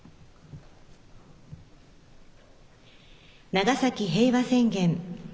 長崎平和宣言。